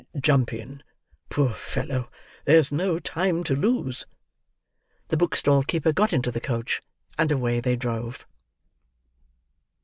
Jump in. Poor fellow! There's no time to lose." The book stall keeper got into the coach; and away they drove.